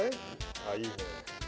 あっいいね。